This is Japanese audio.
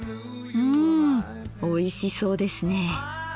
うんおいしそうですねえ。